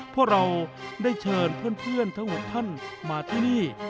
พวกเราได้เชิญเพื่อนทั้ง๖ท่านมาที่นี่